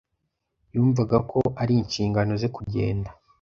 Yumvaga ko ari inshingano ze kugenda.